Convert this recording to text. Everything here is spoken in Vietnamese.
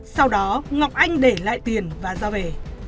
sau đó ngọc anh để lại tiền và ra về